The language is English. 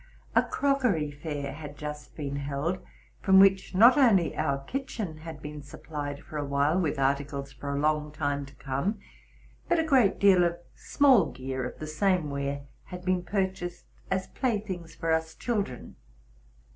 A crockery fair had just been held, from which not only our kitchen had been supplied for a while with articles for a long time to come, but a great deal of small gear of the same ware had been purchased as playthings for us children.